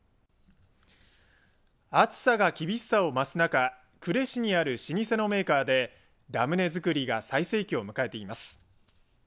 暑さが厳しさを増す中呉市にある老舗のメーカーでラムネ作りが最盛期を迎えています。